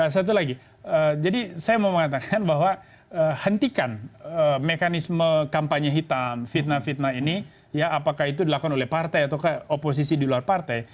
satu lagi jadi saya mau mengatakan bahwa hentikan mekanisme kampanye hitam fitnah fitnah ini ya apakah itu dilakukan oleh partai atau oposisi di luar partai